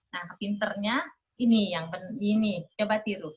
nah pinternya ini coba tiru